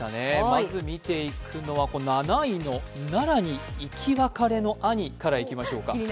まず見ていくのは７位の奈良に生き別れの兄からいきましょうか。